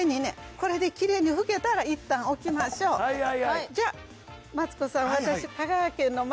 これできれいに拭けたらいったん置きましょうじゃマツコさん